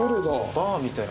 バーみたいな。